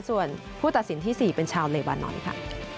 ส่วนผู้ตัดสินที่๔เป็นชาวเลบานอนค่ะ